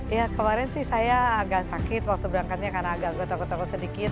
ya kemarin sih saya agak sakit waktu berangkatnya karena agak gue takut takut sedikit